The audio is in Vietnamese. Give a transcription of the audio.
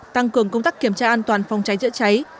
tăng cường công tác kiểm tra an toàn phòng cháy chữa cháy